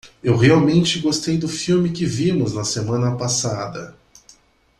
Eu realmente gostei do filme que vimos na semana passada.